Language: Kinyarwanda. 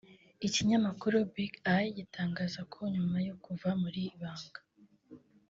Ikinyamakuru Big Eye gitangaza ko nyuma yo kuva muri Ibanga